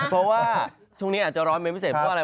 เพราะว่าช่วงนี้อาจจะร้อนเป็นพิเศษเพราะว่าอะไร